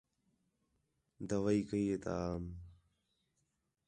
دوائی کَئی تا آم